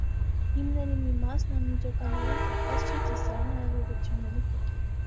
Հիմների մի մասն անմիջականորեն կապված չէ ծիսային արարողությունների հետ։